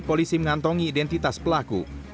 polisi mengantongi identitas pelaku